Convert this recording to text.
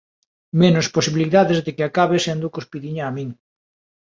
Menos posibilidades de que acabe sendo cuspidiña a min.